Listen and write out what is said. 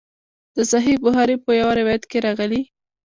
د صحیح بخاري په یوه روایت کې راغلي.